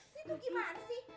situ gimana sih